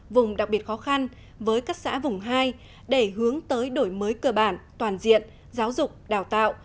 vùng đặc biệt khó khăn với các xã vùng hai để hướng tới đổi mới cơ bản toàn diện giáo dục đào tạo